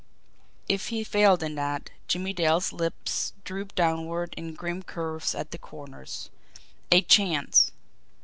It he failed in that Jimmie Dale's lips drooped downward in grim curves at the corners. A chance!